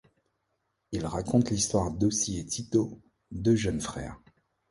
Il raconte l'histoire d'Ossie et Tito, deux jeunes frères.